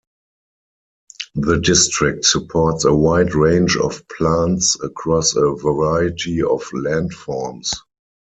The district supports a wide range of plants across a variety of land forms.